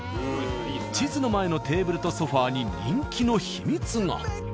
地図の前のテーブルとソファに人気の秘密が。